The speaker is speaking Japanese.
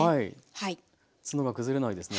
ツノが崩れないですね。